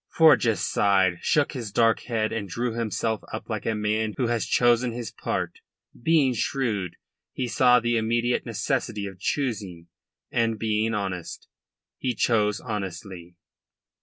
Forjas sighed, shook his dark head and drew himself up like a man who has chosen his part. Being shrewd, he saw the immediate necessity of choosing, and, being honest, he chose honestly.